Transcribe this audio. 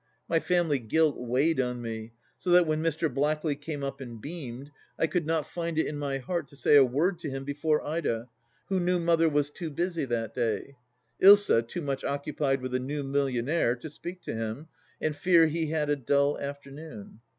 My family guilt weighed on me, so that when Mr. Blackley came up and beamed, I could not find it in my heart to say a word to him before Ida, who knew Mother was too busy that day ; Ilsa too much occupied with a new millionaire, to speak to him, and fear he had a dull afternoon.